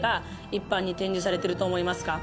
一般に展示されてると思いますか？